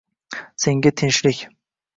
Senga tinchlik